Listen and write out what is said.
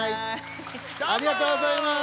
ありがとうございます！